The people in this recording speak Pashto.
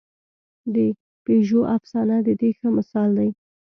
د پېژو افسانه د دې ښه مثال دی.